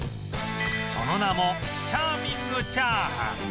その名もチャーミングチャーハン